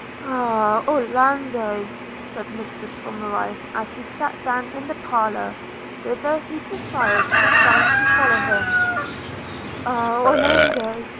'Ah! Orlando,' said Mr Somerive as he sat down in the parlour, whither he desired his son to follow him – 'ah, Orlando!